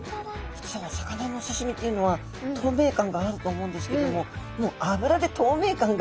普通お魚のお刺身っていうのは透明感があると思うんですけどももう脂で透明感が。